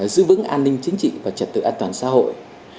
giữ vững an ninh chính trị và trật tự an toàn xã hội